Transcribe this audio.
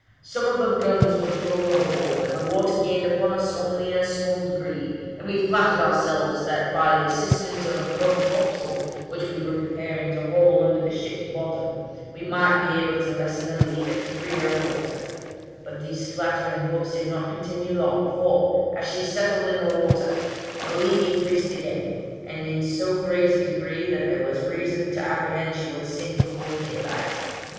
Some of her guns were thrown overboard, and the water gained upon us only in a small degree, and we flattered ourselves that by the assistance of a thrummed topsail, which we were preparing to haul under the ship's bottom, we might be able to lessen the leak, and to free her of water: but these flattering hopes did not continue long; for, as she settled in the water, the leak increased again, and in so great a degree, that there was reason to apprehend she would sink before daylight.